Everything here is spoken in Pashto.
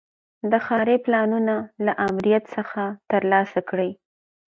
د ښاري پلانونو له آمریت څخه ترلاسه کړي.